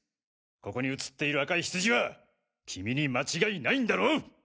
ここに映っている赤いヒツジは君に間違いないんだろう！